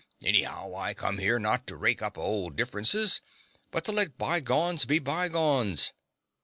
Anyhow, I come here, not to rake up hold differences, but to let bygones be bygones.